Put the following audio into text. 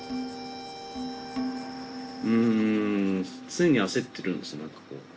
うん常に焦ってるんです何かこう。